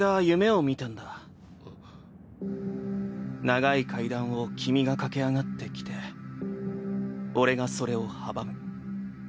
長い階段を君が駆け上がってきて俺がそれを阻む。